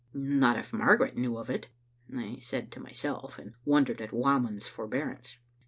"Not if Margaret knew of it," I said to myself, and wondered at Whamond's forbearance.